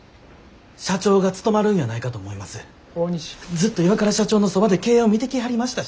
ずっと岩倉社長のそばで経営を見てきはりましたし。